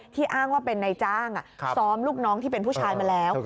อ้างว่าเป็นนายจ้างซ้อมลูกน้องที่เป็นผู้ชายมาแล้ว